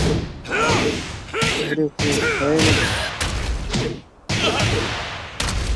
چشمانی که از ترس ورقلیده میشد